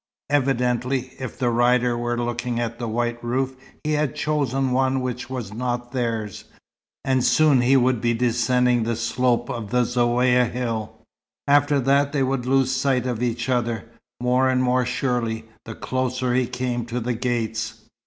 Evidently, if the rider were looking at a white roof, he had chosen one which was not theirs. And soon he would be descending the slope of the Zaouïa hill. After that they would lose sight of each other, more and more surely, the closer he came to the gates.